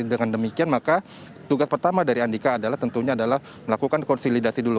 dengan demikian maka tugas pertama dari andika adalah tentunya adalah melakukan konsolidasi dulu